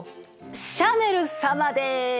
シャネル様です！